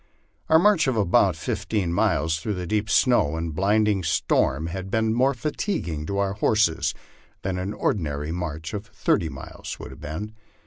Our march of fifteen miles through the deep snow and blinding storm had been more fatiguing to our horses than an ordinary march of thirty miles would have been.